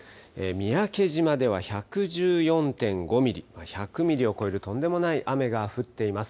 三宅島では１１４．５ミリ、１００ミリを超えるとんでもない雨が降っています。